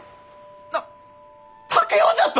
なっ竹雄じゃと！？